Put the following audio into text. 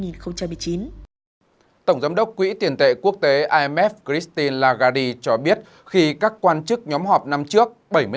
tổng giám đốc quỹ tiền tệ quốc tế imf christie lagardi cho biết khi các quan chức nhóm họp năm trước